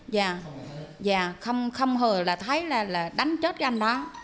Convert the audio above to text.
dạ dạ không hề là thấy là đánh chết cái anh đó